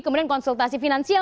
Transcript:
kemudian konsultasi finansial